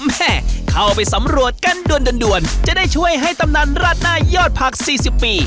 แม่เข้าไปสำรวจกันด่วนจะได้ช่วยให้ตำนานราดหน้ายอดผัก๔๐ปี